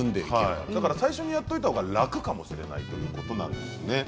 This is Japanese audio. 最初にやっておいたほうが楽かもしれないということなんですね。